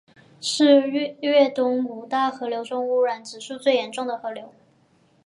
是粤东五大河流中污染指数最严重的河流。